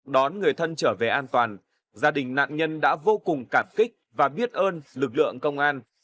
đón người thân trở về an toàn gia đình nạn nhân đã vô cùng cảm kích và biết ơn lực lượng công an